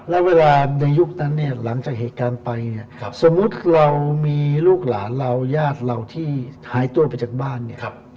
แล้วเวลาในยุคนั้นเนี่ยหลังจากเหตุการณ์ไปเนี่ยสมมุติเรามีลูกหลานเราญาติเราที่หายตัวไปจากบ้านเนี่ย